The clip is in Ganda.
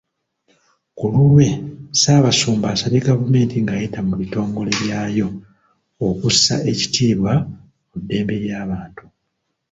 Ku lulwe, Ssabasumba asabye gavumenti ng'ayita mu bitongole byayo okussa ekitiibwa mu ddembe ly'abantu.